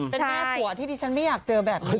เป็นแม่ผัวที่ดิฉันไม่อยากเจอแบบนี้